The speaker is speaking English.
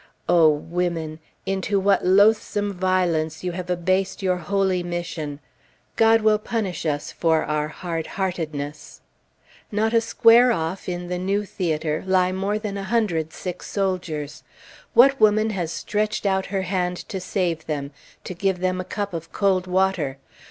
O women! into what loathsome violence you have abased your holy mission! God will punish us for our hard heartedness. Not a square off, in the new theatre, lie more than a hundred sick soldiers. What woman has stretched out her hand to save them, to give them a cup of cold water?